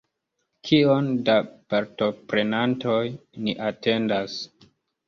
Kion da partoprenantoj ni atendas?